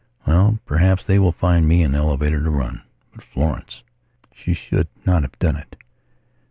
Well, perhaps, they will find me an elevator to run.... But Florence... . She should not have done it.